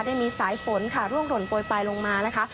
ได้มีสายฝนค่ะร่วงหล่นโปรยปลายลงมานะคะ